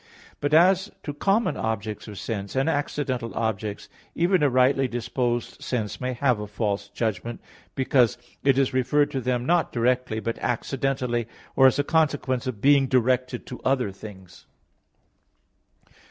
But as to common objects of sense, and accidental objects, even a rightly disposed sense may have a false judgment, because it is referred to them not directly, but accidentally, or as a consequence of being directed to other things.